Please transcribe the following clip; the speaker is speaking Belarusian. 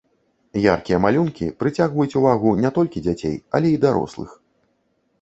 Яркія малюнкі прыцягваюць увагу не толькі дзяцей, але і дарослых.